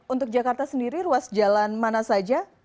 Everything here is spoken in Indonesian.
untuk jakarta sendiri ruas jalan mana saja